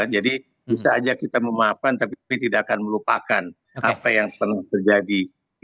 jadi bisa saja kita memaafkan tapi tidak akan melupakan apa yang pernah terjadi